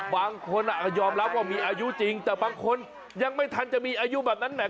บางคนยอมรับว่ามีอายุจริงแต่บางคนยังไม่ทันจะมีอายุแบบนั้นแหม